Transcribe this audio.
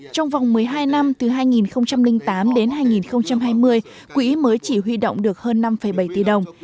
trong vòng một mươi hai năm từ hai nghìn tám đến hai nghìn hai mươi quỹ mới chỉ huy động được hơn năm bảy tỷ đồng